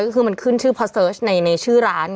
ก็คือมันขึ้นชื่อพอเสิร์ชในชื่อร้าน